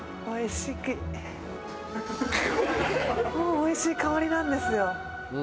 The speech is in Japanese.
おいしい香りなんですよ。